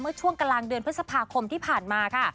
ช่วงกลางเดือนพฤษภาคมที่ผ่านมาค่ะ